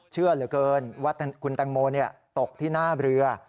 เชื่อเหลือเกินว่าคุณแตงโมตกที่หน้าเรือ